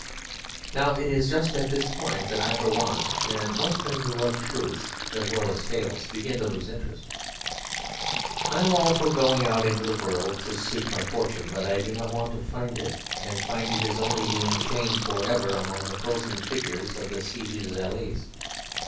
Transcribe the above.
Now it is just at this point that I for one, and most men who love truth as well as tales, begin to lose interest. I am all for "going out into the world to seek my fortune," but I do not want to find it and find it is only being chained for ever among the frozen figures of the Sieges Allees.